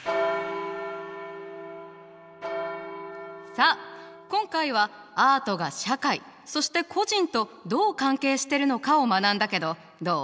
さあ今回はアートが社会そして個人とどう関係してるのかを学んだけどどう？